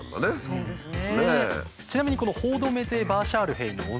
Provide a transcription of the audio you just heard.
そうですね。